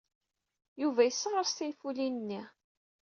Yuba yesseɣres tinfulin-nni.